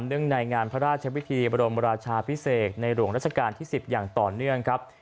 ในงานพระราชวิธีบรมราชาพิเศษในหลวงราชการที่๑๐อย่างต่อเนื่องครับ